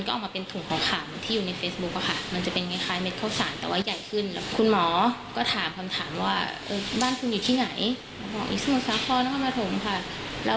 ของหมูก็ทานทั่วไปค่ะ